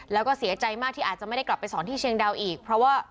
แล้วก็เสียใจมากที่อาจจะไม่ได้กลับไปสอนที่เชียงดาวอีกเพราะว่า